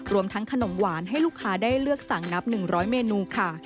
รวมทั้งขนมหวานให้ลูกค้าได้เลือกสั่งนับ๑๐๐เมนูค่ะ